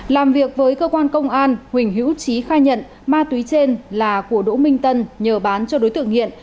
làm việc với cơ quan công an huỳnh hữu trí khai nhận ma túy trên là của đỗ minh tân nhờ bán cho đối tượng nghiện